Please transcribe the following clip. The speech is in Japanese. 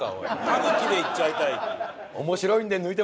歯茎でいっちゃいたい。